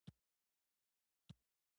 ده وويل زړونه غټ ونيسئ.